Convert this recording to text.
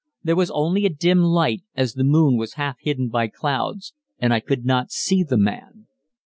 There was only a dim light, as the moon was half hidden by clouds, and I could not see the man.